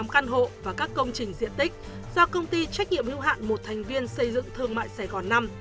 sáu trăm bốn mươi tám căn hộ và các công trình diện tích do công ty trách nhiệm hưu hạn một thành viên xây dựng thương mại sài gòn năm